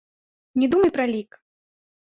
Не думай пра лік.